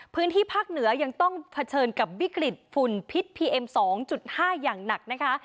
พื้นที่ภาคเหนือยังต้องเผชิญกับวิกฤตฝุ่นพิษพีเอ็ม๒๕อย่างหนักนะคะ